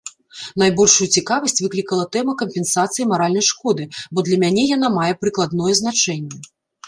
Найбольшую цікавасць выклікала тэма кампенсацыі маральнай шкоды, бо для мяне яна мае прыкладное значэнне.